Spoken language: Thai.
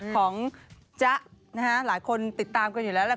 ของจ๊ะนะฮะหลายคนติดตามของอยู่แล้ว